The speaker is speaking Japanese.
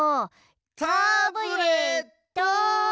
タブレットン！